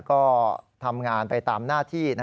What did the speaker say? ก็ทำงานไปตามหน้าที่